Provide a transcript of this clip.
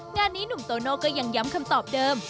งานนี้หนุ่มโตโน่ก็ยังย้ำคำตอบเดิม